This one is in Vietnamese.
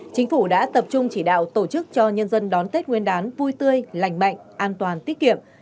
chính phủ đã tập trung chỉ đạo tổ chức cho nhân dân đón tết nguyên đán vui tươi lành mạnh an toàn tiết kiệm